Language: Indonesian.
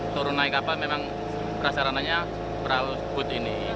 turun naik kapal memang sarananya perahu put ini